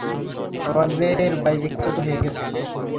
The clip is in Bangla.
আমাদের বাই বিখ্যাত হয়ে গেছে!